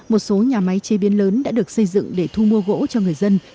một số nhà máy chế biến lớn đã được xây dựng để thu mua gỗ cho người dân